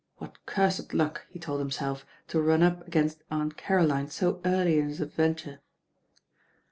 What cursed luck, he told himself, to run up against Aunt Caroline so early in his ad venture.